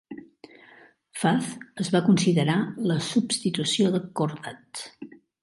Fath es va considerar la substitució de Khordad.